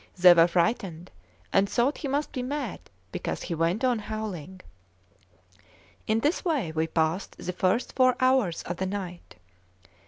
They were frightened, and thought he must be mad, because he went on howling. In this way we passed the first four hours of the night.